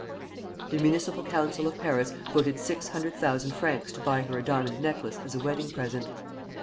The Municipal Council of Paris voted six hundred thousand francs to buy her a diamond necklace as a wedding present.